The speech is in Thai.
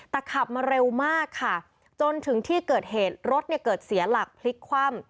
แต่ขับมาเร็วมากค่ะจนถึงที่เกิดเหตุรถเนี่ยเกิดเสียหลักพลิกคว่ำ